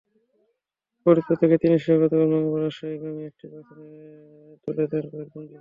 ফরিদপুর থেকে তিন শিশুকে গতকাল মঙ্গলবার রাজশাহীগামী একটি বাসে তুলে দেন কয়েকজন যুবক।